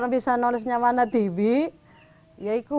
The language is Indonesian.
bisa menulisnya mana tibi gitu